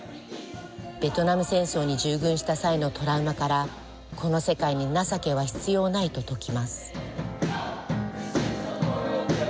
ベトナム戦争に従軍した際のトラウマからこの世界に情けは必要ないと説きます。